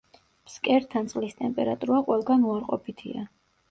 ფსკერთან წყლის ტემპერატურა ყველგან უარყოფითია.